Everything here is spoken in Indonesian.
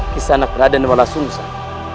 kisanak rada nuala sungsang